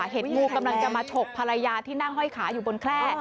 เห็นงูกำลังจะมาฉกภรรยาที่นั่งห้อยขาอยู่บนแคล่